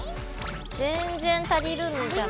全然足りるんじゃない？